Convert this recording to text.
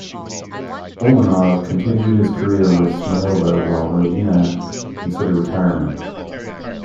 Ulanov continued his career with Smirnova, while Rodnina considered retirement.